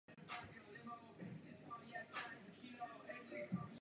Radnice má tři poschodí a mohutnou věž.